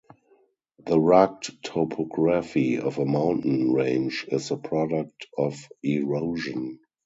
The rugged topography of a mountain range is the product of erosion.